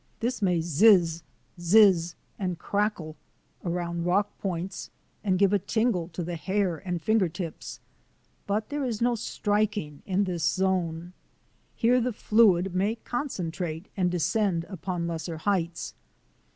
This may ziz, ziz 132 THE ADVENTURES OF A NATURE GUIDE and crackle around rock points and give a tingle to the hair and ringer tips, but there is no striking in this zone. Here the fluid may concentrate and descend upon lesser heights.